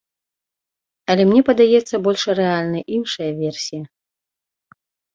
Але мне падаецца больш рэальнай іншая версія.